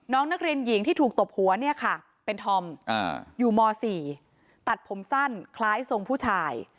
น้องนักเรียนหญิงที่ถูกตบหัวเนี่ยค่ะเป็นธอมอยู่ม๔ตัดผมสั้นคล้ายทรงผู้ชาย